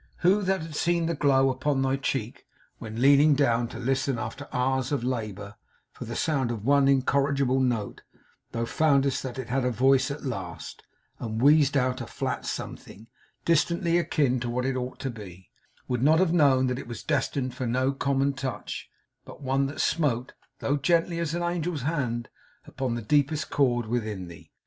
Who that had seen the glow upon thy cheek when leaning down to listen, after hours of labour, for the sound of one incorrigible note, thou foundest that it had a voice at last, and wheezed out a flat something, distantly akin to what it ought to be, would not have known that it was destined for no common touch, but one that smote, though gently as an angel's hand, upon the deepest chord within thee!